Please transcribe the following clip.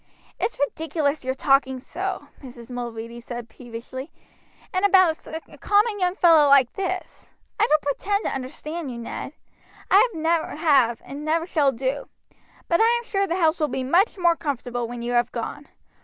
"It's ridiculous your talking so," Mrs. Mulready said peevishly, "and about a common young fellow like this. I don't pretend to understand you, Ned. I never have and never shall do. But I am sure the house will be much more comfortable when you have gone.